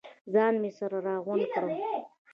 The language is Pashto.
ځان مې سره راغونډ کړ.